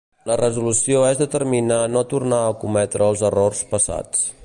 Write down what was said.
La resolució és determinar no tornar a cometre els errors passats.